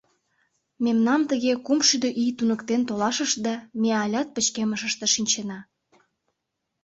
Мемнам тыге кумшӱдӧ ий туныктен толашышт да, ме алят пычкемышыште шинчена.